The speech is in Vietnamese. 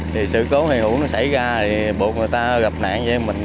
thì sự cố hủ nó xảy ra buộc người ta gặp nạn vậy